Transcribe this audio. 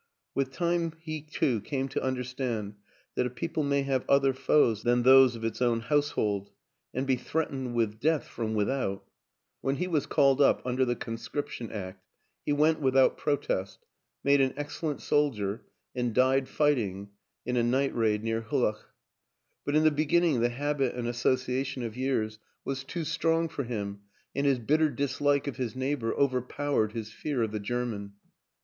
With time he, too, came to understand that a people may have other foes than those of its own household and be threatened with death 212 WILLIAM AN ENGLISHMAN from without; when he was called up under the Conscription Act he went without protest, made an excellent soldier and died fighting in a night raid near Hulluch ; but in the beginning the habit and association of years was too strong for him and his bitter dislike of his neighbor overpowered his fear of the German.